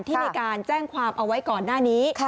ที่มีการแจ้งความเอาไว้ก่อนหน้านี้